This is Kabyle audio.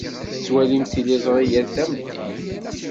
Tettwalimt tiliẓri yal tameddit.